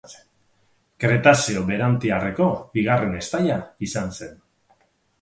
Kretazeo Berantiarreko bigarren estaia izan zen.